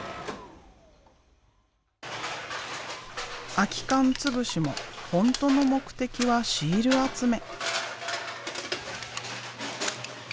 空き缶つぶしも本当の目的はシール集め。